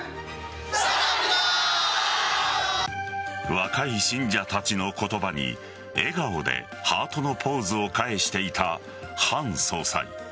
若い信者たちの言葉に笑顔でハートのポーズを返していたハン総裁。